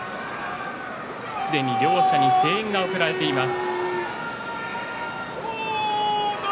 すでに両者に声援が送られています。